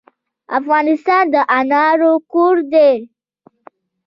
افغانستان د انارو کور دی.